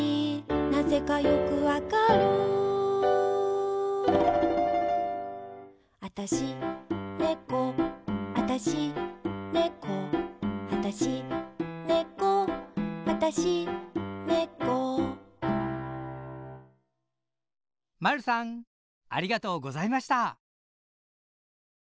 なぜかよくわかるあたし、ねこあたし、ねこあたし、ねこあたし、ねこまるさんありがとうございました。